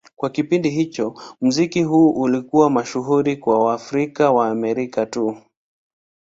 Kwa kipindi hicho, muziki huu ulikuwa mashuhuri kwa Waafrika-Waamerika tu.